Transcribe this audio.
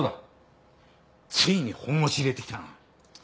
ついに本腰入れてきたな。